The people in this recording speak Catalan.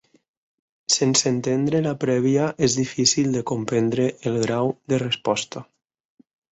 Sense entendre la prèvia és difícil de comprendre el grau de resposta.